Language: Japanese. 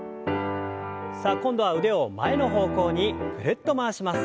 さあ今度は腕を前の方向にぐるっと回します。